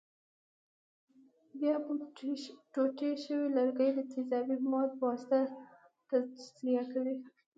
بیا ټوټې شوي لرګي د تیزابي موادو په واسطه تجزیه کوي.